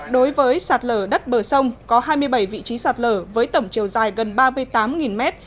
đối với sạt lở đất bờ sông có hai mươi bảy vị trí sạt lở với tổng chiều dài gần ba mươi tám mét